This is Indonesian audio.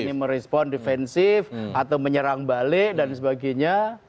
di sini merespon difensif atau menyerang balik dan sebagainya